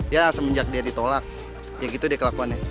ya semenjak dia ditolak ya gitu dia kelakuannya